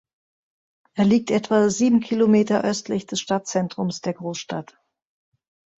Er liegt etwa sieben Kilometer östlich des Stadtzentrums der Großstadt.